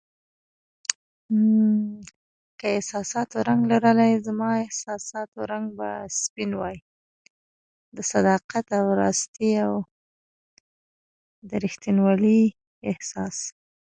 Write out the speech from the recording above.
د ځواب په تمه دی يم